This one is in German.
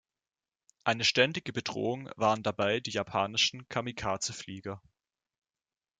Eine ständige Bedrohung waren dabei die japanischen „Kamikaze-Flieger“.